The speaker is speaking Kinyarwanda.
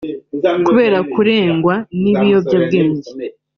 Kubera kurengwa n’ibiyobyabwenge